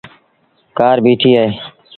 ڪآر بيٚٺيٚ اهي۔